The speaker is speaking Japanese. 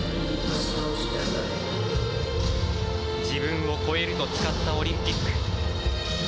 自分を超えると誓ったオリンピック。